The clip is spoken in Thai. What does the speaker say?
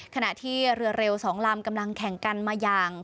ขณะที่เรือเร็ว๒ลำกำลังแข่งกันมาอย่าง